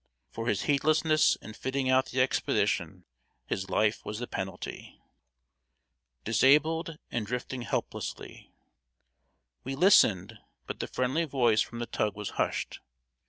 For his heedlessness in fitting out the expedition, his life was the penalty. [Sidenote: DISABLED AND DRIFTING HELPLESSLY.] We listened, but the friendly voice from the tug was hushed.